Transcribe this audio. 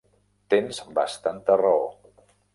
Tens bastanta raó.